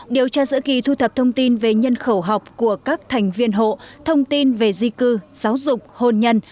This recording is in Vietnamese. điều tra giữa kỳ thu thập thông tin về nhân khẩu học của các thành viên hộ thông tin về di cư giáo dục hôn nhân